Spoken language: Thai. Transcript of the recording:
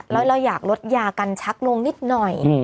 แล้วเราอยากลดยากันชักลงนิดหน่อย